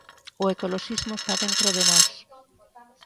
O ecoloxismo está dentro de nós.